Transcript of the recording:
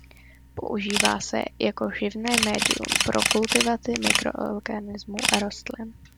Používá se jako živné médium pro kultivaci mikroorganismů a rostlin.